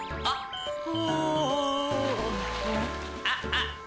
あっあっ